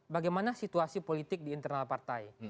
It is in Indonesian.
bagaimana situasi politik di internal partai